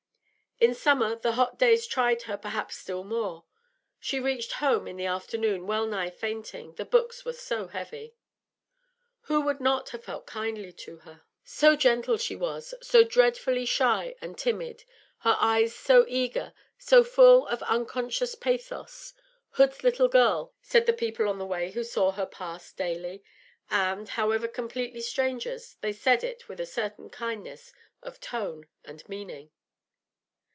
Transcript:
In summer the hot days tried her perhaps still more; she reached home in the afternoon well nigh fainting, the books were so heavy. Who would not have felt kindly to her? So gentle she was, so dreadfully shy and timid, her eyes so eager, so full of unconscious pathos. 'Hood's little girl,' said the people on the way who saw her pass daily, and, however completely strangers, they said it with a certain kindness of tone and meaning.